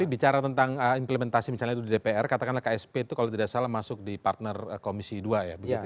bicara tentang implementasi misalnya itu di dpr katakanlah ksp itu kalau tidak salah masuk di partner komisi dua ya